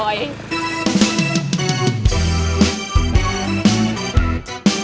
masih ada yang mau berbicara